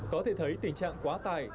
có thể thấy tình trạng quá tải